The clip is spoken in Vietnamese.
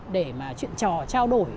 để mà chuyện trò trao đổi